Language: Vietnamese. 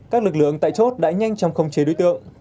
các lực lượng tại chốt đã nhanh chăm không chế đối tượng